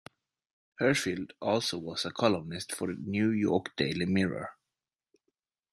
Hershfield also was a columnist for the "New York Daily Mirror".